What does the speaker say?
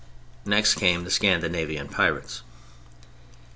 Next came the Scandinavian pirates.